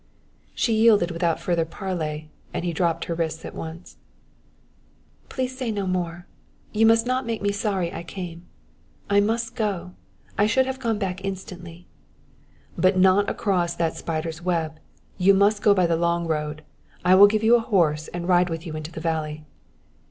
She yielded without further parley and he dropped her wrists at once. "Please say no more. You must not make me sorry I came. I must go, I should have gone back instantly." "But not across that spider's web. You must go by the long road. I will give you a horse and ride with you into the valley."